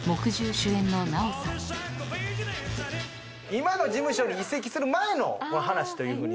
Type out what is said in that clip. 今の事務所に移籍する前の話というふうに。